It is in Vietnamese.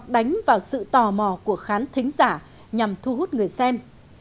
đánh vào sự tò mò của khán thính giả nhằm thu hút người xem